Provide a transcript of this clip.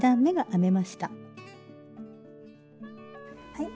はい。